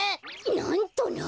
なんとな！